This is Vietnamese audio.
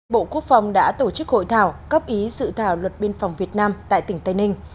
bộ quốc phòng đã tổ chức hội thảo góp ý dự thảo luật biên phòng việt nam tại tỉnh tây ninh